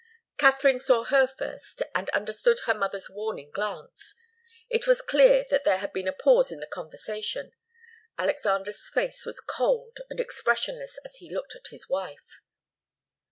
Katharine saw her first, and understood her mother's warning glance. It was clear that there had been a pause in the conversation. Alexander's face was cold and expressionless as he looked at his wife.